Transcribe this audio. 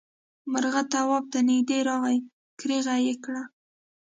مرغه تواب ته نږدې راغی کريغه یې کړه.